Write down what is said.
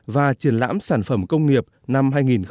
và triển lãm sản phẩm công nghiệp năm hai nghìn một mươi tám